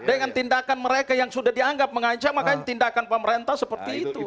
dengan tindakan mereka yang sudah dianggap mengancam makanya tindakan pemerintah seperti itu